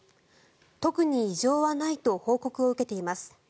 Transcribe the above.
特に異常はないと報告を受けています。